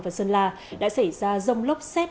và sơn la đã xảy ra rông lốc xét